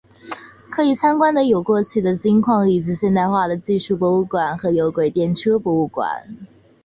可以参观的有过去的金矿以及现代化的技术博物馆和有轨电车博物馆。